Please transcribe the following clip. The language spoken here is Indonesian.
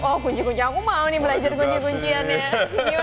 oh kunci kunci aku mau nih belajar kunci kuncian ya